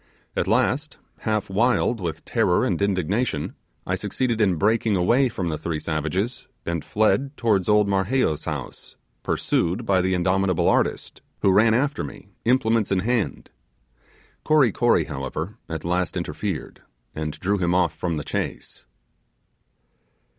At last, half wild with terror and indignation, I succeeded in breaking away from the three savages, and fled towards old Marheyo's house, pursued by the indomitable artist, who ran after me, implements in hand. Kory Kory, however, at last interfered and drew him off from the chase.